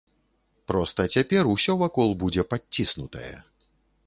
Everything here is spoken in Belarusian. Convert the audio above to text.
Проста цяпер усё вакол будзе падціснутае.